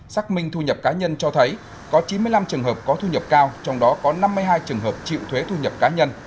xác minh thu nhập cá nhân cho thấy có chín mươi năm trường hợp có thu nhập cao trong đó có năm mươi hai trường hợp chịu thuế thu nhập cá nhân